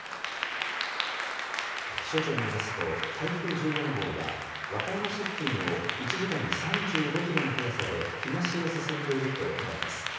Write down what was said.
気象庁によりますと、台風１４号は、和歌山市付近を１時間に３５キロの速さで東へ進んでいると見られます。